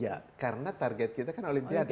ya karena target kita kan olimpiade